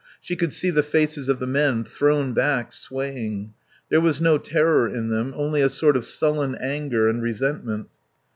She could see the faces of the men, thrown back, swaying; there was no terror in them, only a sort of sullen anger and resentment.